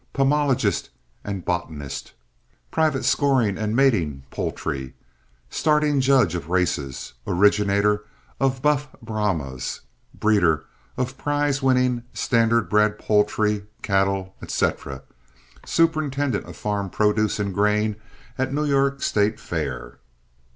pomologist and botanist private scoring and mating poultry starting judge of races originator of Buff Brahmas breeder of prize winning, standard bred poultry, cattle, etc. superintendent of farm produce and grain at New York State Fair."